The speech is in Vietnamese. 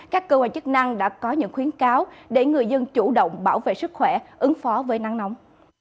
các cơ quan chức năng đã có những khuyến cáo để người dân chủ động bảo vệ sức khỏe ứng phó với nắng nóng